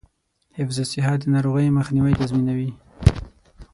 حفظ الصحه د ناروغیو مخنیوی تضمینوي.